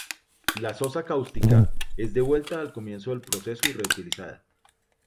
La sosa cáustica es devuelta al comienzo del proceso y reutilizada.